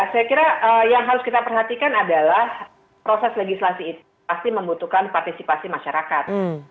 saya kira yang harus kita perhatikan adalah proses legislasi itu pasti membutuhkan partisipasi masyarakat